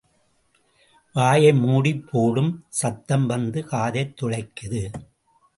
வாயை மூடிப் போடும் சத்தம் வந்து காதைத் துளைக்குது.